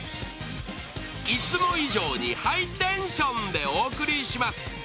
いつも以上にハイテンションでお送りします。